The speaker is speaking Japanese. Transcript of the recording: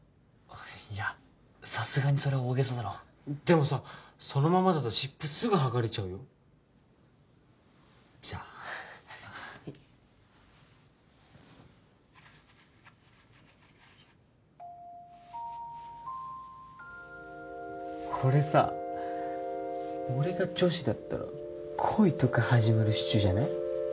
いやさすがにそれは大げさだろでもさそのままだと湿布すぐ剥がれちゃうよじゃあこれさ俺が女子だったら恋とか始まるシチュじゃない？